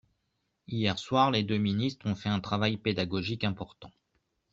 Hier soir, les deux ministres ont fait un travail pédagogique important.